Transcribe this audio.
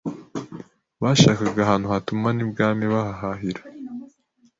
bashakaga ahantu hatuma n’ibwami babahahira